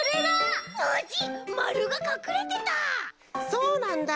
そうなんだ！